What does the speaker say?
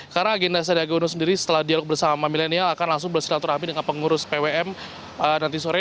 karena agenda sandiaga uno sendiri setelah dialog bersama milenial akan langsung bersilaturahmi dengan pengurus pwm nanti sore